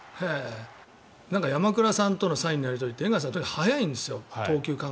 山倉さんとのサインのやり取り江川さんは早いんですよ。